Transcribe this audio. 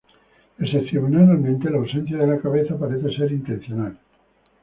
Excepcionalmente, la ausencia de la cabeza parece ser intencional.